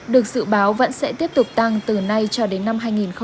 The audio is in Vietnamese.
được dự báo vẫn sẽ tiếp tục tăng từ nay cho đến năm hai nghìn hai mươi